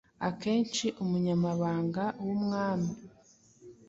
Akenshi umunyamabanga wumwami